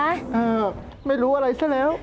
เออไม่รู้อะไรซะแล้ว